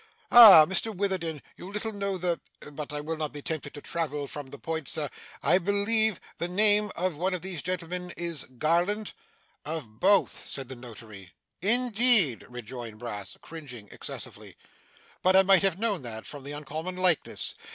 Ah Mr Witherden! you little know the but I will not be tempted to travel from the point, sir, I believe the name of one of these gentlemen is Garland.' 'Of both,' said the notary. 'In deed!' rejoined Brass, cringing excessively. 'But I might have known that, from the uncommon likeness.